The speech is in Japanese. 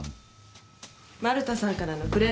丸田さんからのプレゼントです。